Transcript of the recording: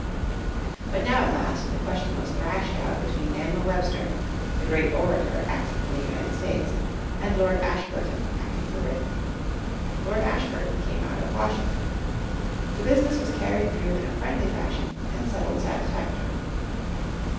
But now at last the question was thrashed out between Daniel Webster, the great orator acting for the United States, and Lord Ashburton acting for Britain. Lord Ashburton came out to Washington. The business was carried through in a friendly fashion and settled satisfactorily.